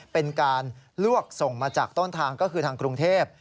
เป็นการลวกส่งมาจากต้นทางก็คือทางกรุงเทพ